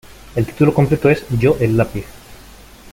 El título completo es "Yo, el lápiz.